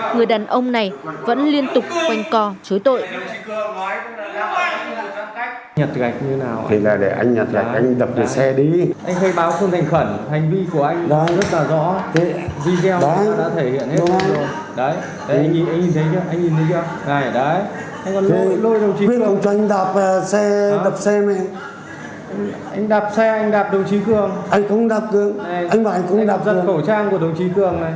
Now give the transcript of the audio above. người đàn ông này vẫn liên tục quanh co chối tội